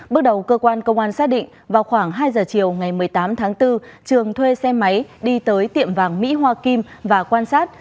bước đầu cơ quan công an xác định vào khoảng hai giờ chiều ngày một mươi tám tháng bốn trường thuê xe máy đi tới tiệm vàng mỹ hoa kim và quan sát